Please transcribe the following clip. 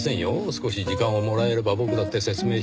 少し時間をもらえれば僕だって説明しますが。